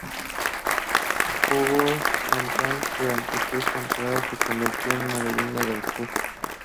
Jugó en Pohang durante seis temporadas y se convirtió en una leyenda del club.